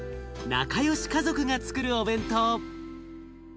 仲良し家族がつくるお弁当。